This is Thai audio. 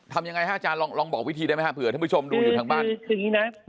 ทำอย่างไรอาจารย์ลองบอกวิธีได้ไหมถ้าผู้ชมอยู่ทางบ้าน